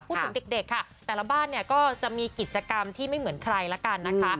พูดถึงเด็กค่ะแต่ละบ้านเนี่ยก็จะมีกิจกรรมที่ไม่เหมือนใครละกันนะคะ